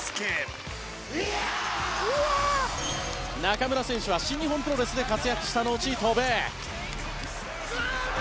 中邑選手は新日本プロレスで活躍したのち渡米。